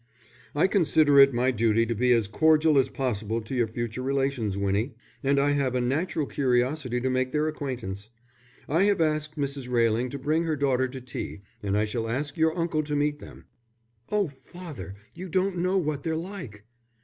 "I consider it my duty to be as cordial as possible to your future relations, Winnie, and I have a natural curiosity to make their acquaintance. I have asked Mrs. Railing to bring her daughter to tea, and I shall ask your uncle to meet them." "Oh, father, you don't know what they're like!"